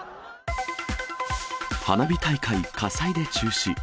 花火大会火災で中止。